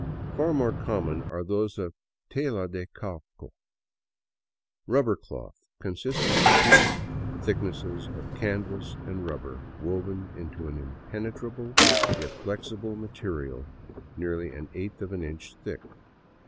Far more common are those of tela de caucho, " rubber cloth," consisting of two thicknesses of canvas and rubber woven into an impenetrable yet flexible material nearly an eighth of an inch thick.